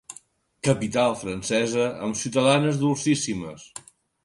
Capital francesa amb ciutadanes dolcíssimes.